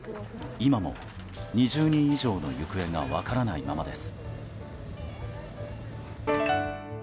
今も２０人以上の行方が分からないままです。